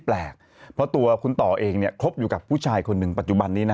แปลกเพราะตัวคุณต่อเองเนี่ยคบอยู่กับผู้ชายคนหนึ่งปัจจุบันนี้นะ